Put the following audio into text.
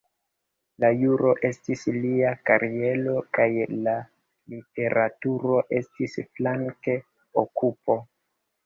La juro estis lia kariero, kaj la literaturo estis flank-okupo.